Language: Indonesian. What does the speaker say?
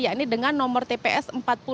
ya ini dengan nomor tps empat puluh lima